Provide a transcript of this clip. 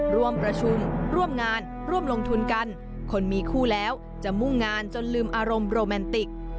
ร่วมประชุมร่วมงานร่วมลงทุนกันคนมีคู่แล้วจะมุ่งงานจนลืมอารมณ์โรแมนติก